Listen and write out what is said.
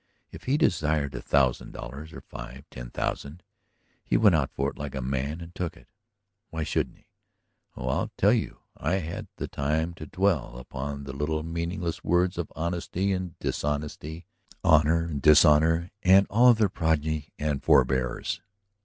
If he desired a thousand dollars or five, ten thousand, he went out for it like a man and took it. Why shouldn't he? Oh, I tell you I had the time to dwell upon the little meaningless words of honesty and dishonesty, honor and dishonor, and all of their progeny and forebears!